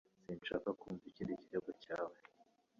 Sinshaka kumva ikindi kirego cyawe